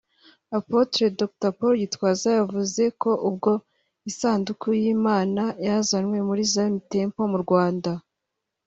Apotre Dr Paul Gitwaza yavuze ko ubwo isanduku y’Imana yazanywe muri Zion Temple mu Rwanda